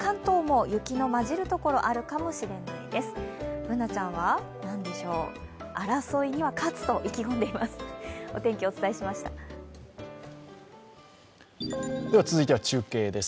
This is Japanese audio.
Ｂｏｏｎａちゃんは、争いには勝つと意気込んでいます。